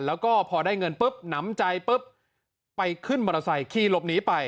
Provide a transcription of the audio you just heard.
แล้วก็พอได้เงินปุ๊บหนำใจปุ๊บไปขึ้นมอเตอร์ไซค์ขี่หลบหนีไป